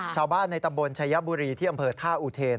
ชาวบ้านในตำบลชายบุรีที่อำเภอท่าอุเทน